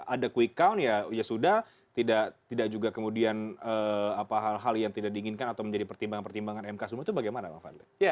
ada quick count ya ya sudah tidak juga kemudian hal hal yang tidak diinginkan atau menjadi pertimbangan pertimbangan mk semua itu bagaimana bang fadli